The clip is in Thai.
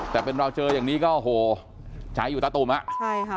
แต่เป็นเราเจออย่างนี้ก็โอ้โหใจอยู่ตาตุ่มอ่ะใช่ค่ะ